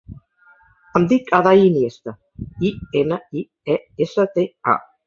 Em dic Aday Iniesta: i, ena, i, e, essa, te, a.